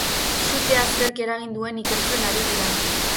Sutea zerk eragin duen ikertzen ari dira.